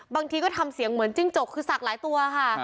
บางทีก็ทำเสียงเหมือนจิ้งจกคือสักหลายตัวค่ะ